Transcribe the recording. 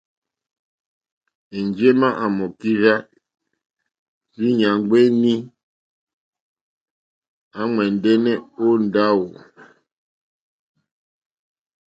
Enjema à mà okirzɛ rzii nyàŋgo wèni à mò ɛ̀ndɛ̀nɛ̀ o ndawò.